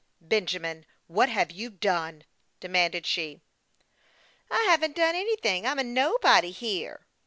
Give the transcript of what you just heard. " Benjamin, what have you done ?" demanded she. " I haven't done anything. I'm a nobody here